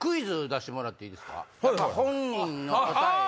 本人の答えを。